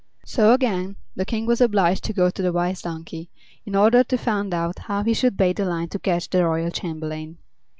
So again the King was obliged to go to the Wise Donkey, in order to find out how he should bait the line to catch the royal chamberlain.